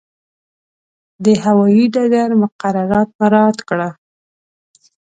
د هوایي ډګر مقررات مراعات کړه.